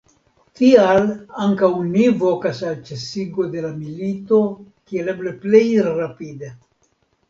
Tial ankaŭ ni vokas al ĉesigo de la milito kiel eble plej rapide.